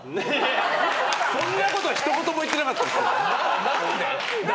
そんなことはひと言も言ってなかったですよ。